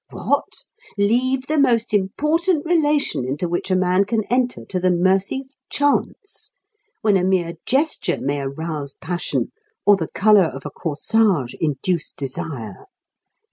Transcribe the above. "What! Leave the most important relation into which a man can enter to the mercy of chance, when a mere gesture may arouse passion, or the colour of a corsage induce desire!